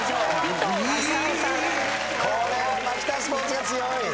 これはマキタスポーツが強い。